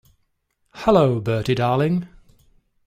Hullo, Bertie, darling.